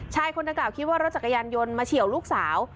ชายคนดังกล่าวคิดว่ารถจักรยานยนต์มาเฉียวลูกสาว